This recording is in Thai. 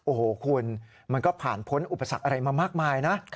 โอ้โหคุณมันก็ผ่านพ้นอุปสรรคอะไรมามากมายนะ